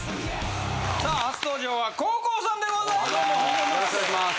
さあ初登場は黄皓さんでございます！